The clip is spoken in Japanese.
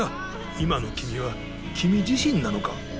今の君は君自身なのか？